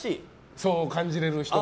そう感じられる人が？